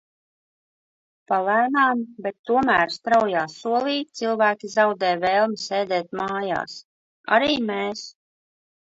Palēnām, bet tomēr straujā solī, cilvēki zaudē vēlmi sēdēt mājās. Arī mēs.